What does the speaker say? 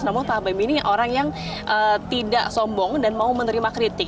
namun pak habibie ini orang yang tidak sombong dan mau menerima kritik